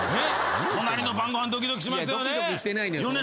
『隣の晩ごはん』ドキドキしましたよね。